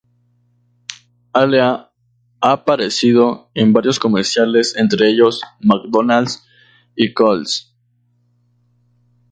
Alea ha aparecido en varios comerciales entre ellos McDonald's y Coles.